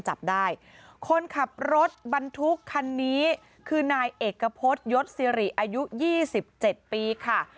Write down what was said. จับได้คนขับรถบรรทุกคันนี้คือนายเอกกะพดยศสิริอายุยี่สิบเจ็ดปีค่ะ